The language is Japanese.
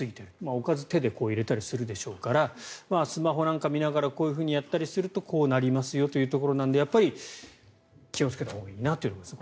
おかず手で入れたりするでしょうからスマホなんかを見ながらこうやったりするとこうなりますよというところなので気をつけたほうがいいなと思います。